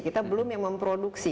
kita belum yang memproduksi